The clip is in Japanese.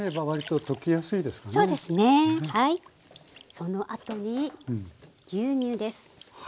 そのあとに牛乳です。